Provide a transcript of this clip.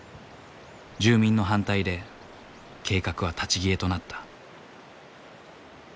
住民の反対で計画は立ち消えとなった。